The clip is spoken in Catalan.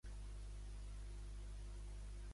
El temple Ayyappan té un vestíbul ampli al seu annexe.